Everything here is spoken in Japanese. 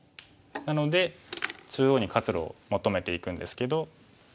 なので中央に活路を求めていくんですけど。